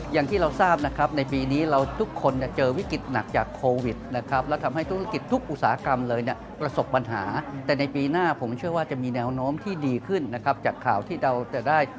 อย่างที่เราทราบนะครับในปีนี้เราทุกคนเนี่ยเจอวิกฤตหนักจากโควิดนะครับแล้วทำให้ธุรกิจทุกอุตสาหกรรมเลยเนี่ยประสบปัญหาแต่ในปีหน้าผมเชื่อว่าจะมีแนวโน้มที่ดีขึ้นนะครับจากข่าวที่เราจะได้